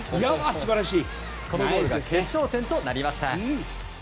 このゴールが決勝点となりました。